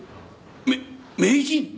め名人？